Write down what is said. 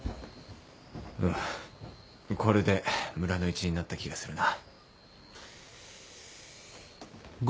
これで村の一員になった気がするな。